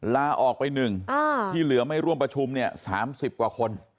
ลาออกไป๑ที่เหลือไม่ร่วมประชุมเนี่ย๓๐กว่าคน